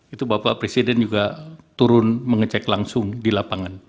itu bapak presiden juga turun mengecek langsung di lapangan